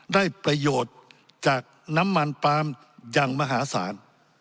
ได้ประโยชน์จากน้ำมันปาล์มอย่างมหาศาล